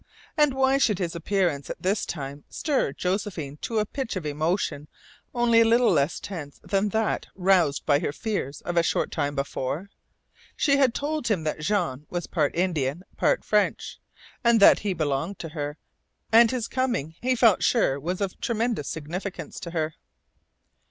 And why should his appearance at this time stir Josephine to a pitch of emotion only a little less tense than that roused by her fears of a short time before? She had told him that Jean was part Indian, part French, and that he "belonged to her." And his coming, he felt sure, was of tremendous significance to her.